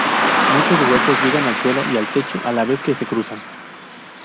Muchos huecos llegan al suelo y al techo, a la vez que se cruzan.